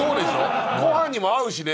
ご飯にも合うしね。